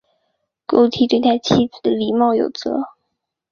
顾悌对待妻子礼貌有则。